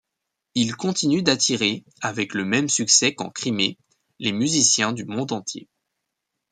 Il continue d'attirer, avec le même succès qu'en Crimée, les musiciens du monde entier.